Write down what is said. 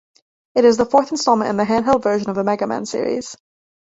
It is the fourth installment in the handheld version of the "Mega Man" series.